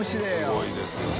すごいですよね。